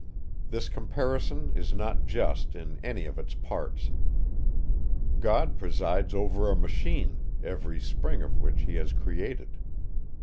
This comparison is not just in any of its parts. God presides over a machine, every spring of which he has created.